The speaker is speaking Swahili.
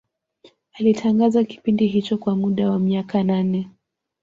Alitangaza kipindi hicho kwa muda wa miaka nane